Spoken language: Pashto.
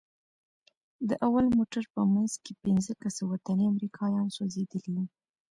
د اول موټر په منځ کښې پنځه کسه وطني امريکايان سوځېدلي وو.